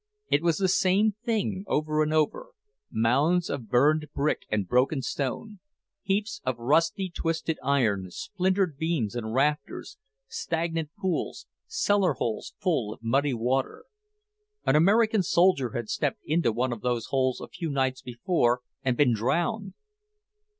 It was the same thing over and over; mounds of burned brick and broken stone, heaps of rusty, twisted iron, splintered beams and rafters, stagnant pools, cellar holes full of muddy water. An American soldier had stepped into one of those holes a few nights before, and been drowned.